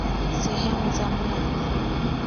sehemu za mwili